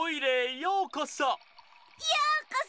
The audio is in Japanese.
ようこそ！